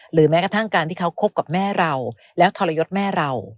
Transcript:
แม้กระทั่งการที่เขาคบกับแม่เราแล้วทรยศแม่เรา